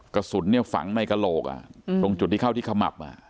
กระสุนเนี่ยฝังในกระโหลกอ่ะตรงจุดที่เข้าที่ขมับอ่ะ